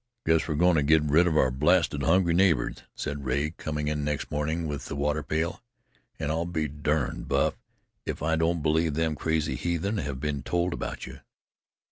"Guess we're goin' to get rid of our blasted hungry neighbors," said Rea, coming in next morning with the water pail, "An' I'll be durned, Buff, if I don't believe them crazy heathen have been told about you.